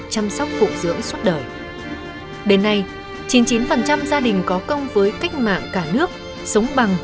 chăm sóc phụ dưỡng suốt đời đến nay chín mươi chín gia đình có công với cách mạng cả nước sống bằng